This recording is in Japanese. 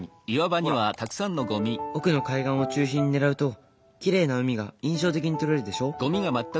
ほら奥の海岸を中心に狙うときれいな海が印象的に撮れるでしょ。